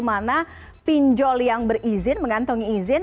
mana pinjol yang berizin mengantongi izin